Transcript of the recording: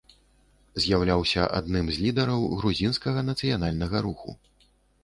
З'яўляўся адным з лідараў грузінскага нацыянальнага руху.